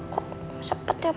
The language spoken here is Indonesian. kok sepet ya bu ya